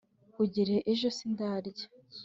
kugera ejo sindarya